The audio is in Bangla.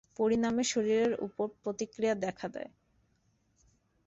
পরিণামে শরীরের উপর প্রতিক্রিয়া দেখা দেয়।